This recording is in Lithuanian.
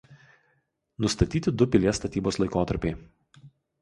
Nustatyti du pilies statybos laikotarpiai.